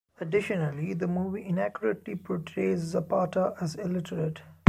Additionally, the movie inaccurately portrays Zapata as illiterate.